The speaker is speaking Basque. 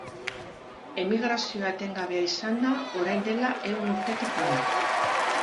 Emigrazioa etengabea izan da orain dela ehun urtetik hona.